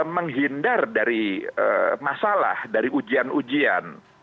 menghindar dari masalah dari ujian ujian